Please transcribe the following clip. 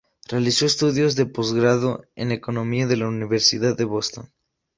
Realizó estudios de postgrado en economía en la Universidad de Boston.